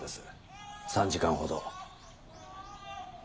３時間ほど。